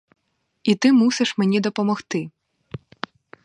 І ти мусиш мені допомогти.